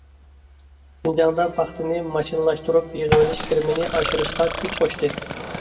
شىنجاڭدا پاختىنى ماشىنىلاشتۇرۇپ يىغىۋېلىش كىرىمنى ئاشۇرۇشقا كۈچ قوشتى.